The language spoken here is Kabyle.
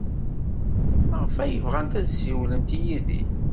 Maɣef ay bɣant ad ssiwlent ed Yidir?